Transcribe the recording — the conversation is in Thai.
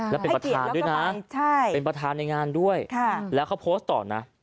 และเป็นประธานด้วยนะเป็นประธานในงานด้วยแล้วเขาโพสต์ต่อนะ